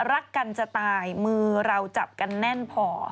รักกันจะตายมือเราจับกันแน่นพอ